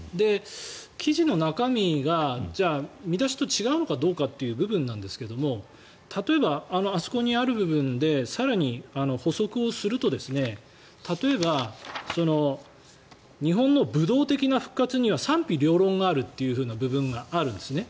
記事の中身が見出しと違うのかどうかという部分ですが例えば、あそこにある部分で更に補足をすると例えば、日本の武道的な復活には賛否両論があるという部分があるんですね。